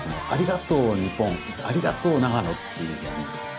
「ありがとう日本」「ありがとう長野」というふうに。